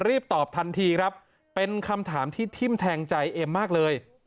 รีบตอบทันทีครับเป็นคำถามที่ทิ้มแทงใจเอ็มมากเลย